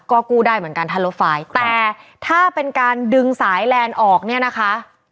ก็กู้ได้เหมือนกันถ้ารถไฟแต่ถ้าเป็นการดึงสายแลนด์ออกเนี่ยนะคะ